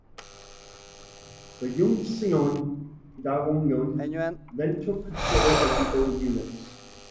The Heungseon Daewongun then took control of the old units.